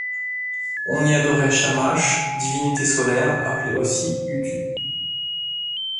On y adorait Shamash, divinité solaire appelée aussi Utu.